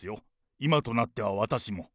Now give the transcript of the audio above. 今となっては私も。